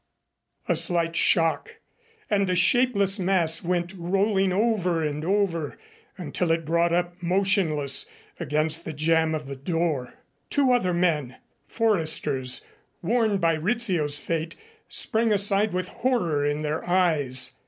A slight shock and a shapeless mass went rolling over and over until it brought up motionless against the jamb of the door. Two other men, Foresters, warned by Rizzio's fate, sprang aside with horror in their eyes.